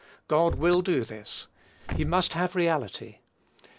God will do this: he must have reality.